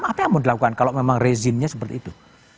apa yang mau dilakukan kalau memang rezimnya seperti itu